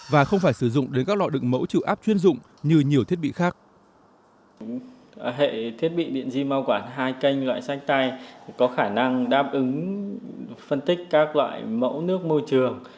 hệ thiết bị điện di mâu quản hai kênh loại sách tay có khả năng đáp ứng phân tích các loại mẫu nước môi trường